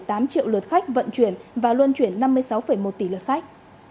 tăng hai trăm hai mươi bốn tám triệu luật khách vận chuyển và luân chuyển năm mươi sáu một tỷ luật khách